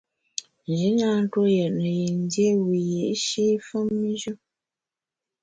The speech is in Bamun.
Nji na ntue yètne yin dié wiyi’shi femnjù.